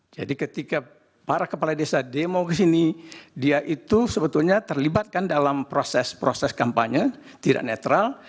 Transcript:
jadi ketika para kepala desa demo ke sini dia itu sebetulnya terlibatkan dalam proses proses kampanye tidak netral